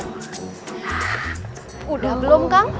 sudah belum kang